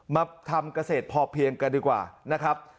มาทำเกษตรพอเพียงกันดีกว่านะครับ